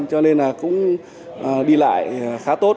cho nên là cũng đi lại khá tốt